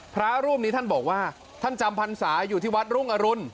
พระรูปนี้ท่านบอกว่าท่านจำพรรษาอยู่ที่วัดรุ่งอรุณ